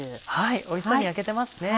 おいしそうに焼けてますね。